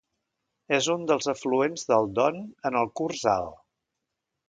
És un dels afluents del Don en el curs alt.